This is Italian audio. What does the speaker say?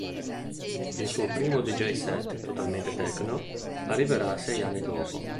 Il suo primo dj-set totalmente techno arriverà sei anni dopo.